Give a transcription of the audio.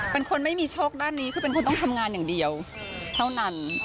เป็นคนไม่มีโชคด้านนี้คือเป็นคนต้องทำงานอย่างเดียวเท่านั้น